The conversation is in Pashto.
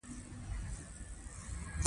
افغانستان د یاقوت کوربه دی.